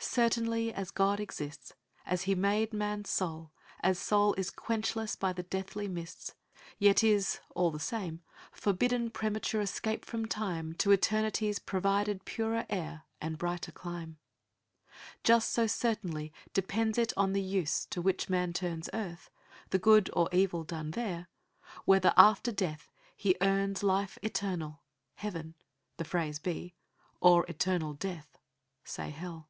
"Certainly as God exists. As He made man's soul, as soul is quench less by the deathly mists Yet is, all the same, forbidden premature escape from time To eternity's provided purer air and brighter clime. Just so certainly depends it on the use to which man turns Earth, the good or evil done there, whether after death he earns be IRobert Browning. 21 Life eternal — Heaven — the phrase be, or eternal death — say Hell.